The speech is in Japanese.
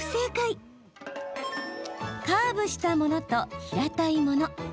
カーブしたものと平たいもの